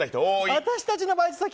私たちのバイト先